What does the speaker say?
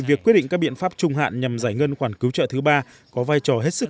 việc quyết định các biện pháp trung hạn nhằm giải ngân khoản cứu trợ thứ ba có vai trò hết sức